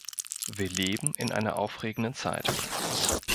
Wir leben in einer aufregenden Zeit.